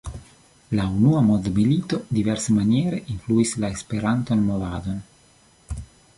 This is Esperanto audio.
La unua mondmilito diversmaniere influis la Esperanton-movadon.